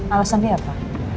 alasan dia apa